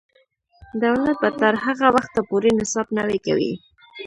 دولت به تر هغه وخته پورې نصاب نوی کوي.